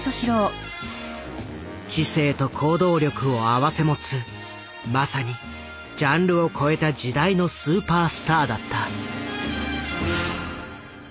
知性と行動力を併せ持つまさにジャンルを超えた時代のスーパースターだった。